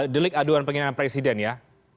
delik aduan penghinaan presiden ya